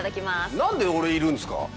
何で俺いるんですか？